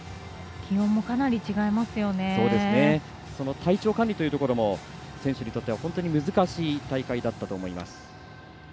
体調管理というところも選手にとっては本当に難しい大会だったと思います。